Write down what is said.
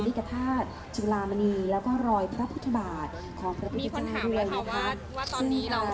มีกระพราชจุฬามณีแล้วก็รอยพระพุทธบาทของพระพิธีกราชกรีย์